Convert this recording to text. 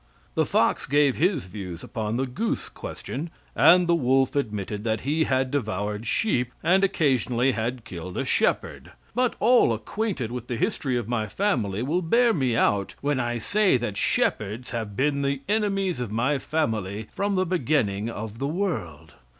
The fox gave his views upon the goose question, and the wolf admitted that he had devoured sheep, and occasionally had killed a shepherd, "but all acquainted with the history of my family will bear me out when I say that shepherds have been the enemies of my family from the beginning of the world."